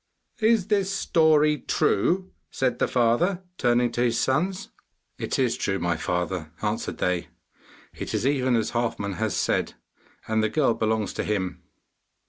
'Is this story true?' said the father, turning to his sons. 'It is true, my father,' answered they. 'It is even as Halfman has said, and the girl belongs to him.